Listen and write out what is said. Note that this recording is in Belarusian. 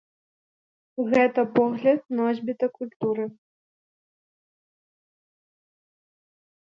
Гэта погляд носьбіта культуры.